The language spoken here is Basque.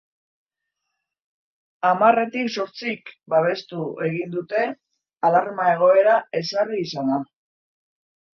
Hamarretik zortzik babestu egin dute alarma egoera ezarri izana.